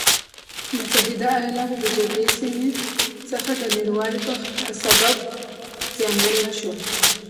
متحده ایلاتو د جګړې سیمې څخه د لرې والي په سبب زیانمن نه شول.